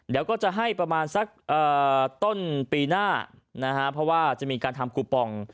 เดี๋ยวก็จะให้ประมาณสักต้นปีหน้านะฮะเพราะว่าจะมีการทำคูปอง